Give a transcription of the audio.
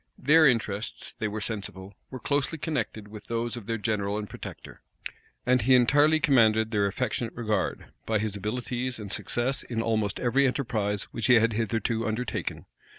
Their interests, they were sensible, were closely connected with those of their general and protector. And he entirely commanded their affectionate regard, by his abilities and success in almost every enterprise which he had hitherto undertaken.